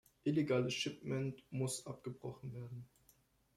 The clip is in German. Illegales shipment muss abgebrochen werden.